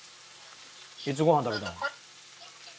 いつご飯食べたん？